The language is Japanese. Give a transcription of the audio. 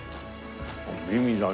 美味だね。